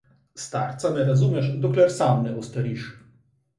Starca ne razumeš, dokler sam ne ostariš.